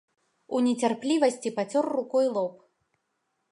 У нецярплівасці пацёр рукой лоб.